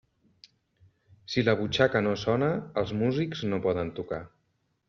Si la butxaca no sona, els músics no poden tocar.